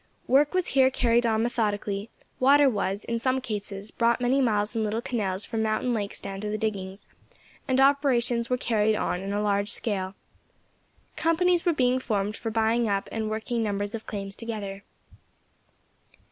Work was here carried on methodically; water was, in some cases, brought many miles in little canals from mountain lakes down to the diggings, and operations were carried on on a large scale. Companies were being formed for buying up and working numbers of claims together.